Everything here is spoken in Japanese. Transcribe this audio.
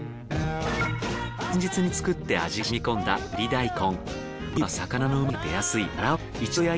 前日に作って味が染み込んだブリ大根。